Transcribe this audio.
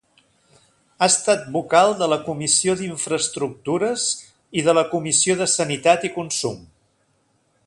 Ha estat vocal de la Comissió d'Infraestructures i de la Comissió de Sanitat i Consum.